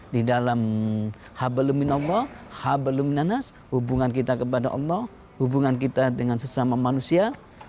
di dalam hubungan kita kepada allah hubungan kita dengan sesama manusia